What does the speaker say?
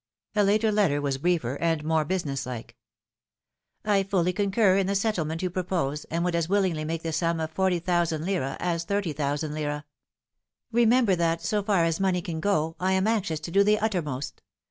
A later letter was briefer and more business like. '' I fully concur in the settlement you propose, and would as willingly make the sum 40,OOOZ. as 30,0002. Remember that, so far as money can go, I am anxious to do the uttermost.